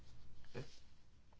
えっ？